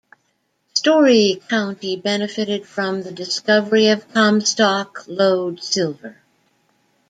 Storey County benefited from the discovery of Comstock Lode silver.